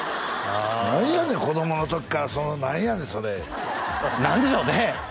何やねん子供の時から何やねんそれ何でしょうね